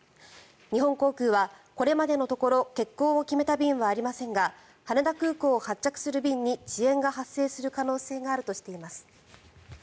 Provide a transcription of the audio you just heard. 日本航空はこれまでのところ欠航を決めた便はありませんが羽田空港を発着する便に遅延が発生する可能性があるとしています。